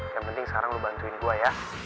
yang penting sekarang lo bantuin gue ya